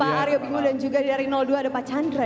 pak aryo bingo dan juga dari dua ada pak chandra